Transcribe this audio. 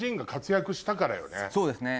そうですね。